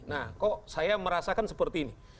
nah kok saya merasakan seperti ini